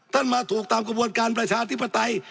มาถูกตามกระบวนการประชาธิปไตย